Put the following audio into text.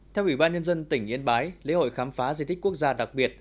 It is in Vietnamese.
theo ủy ban nhân dân tỉnh yên bái lễ hội khám phá di tích quốc gia đặc biệt